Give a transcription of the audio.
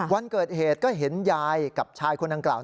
วันเกิดเหตุก็เห็นยายกับชายคนดังกล่าว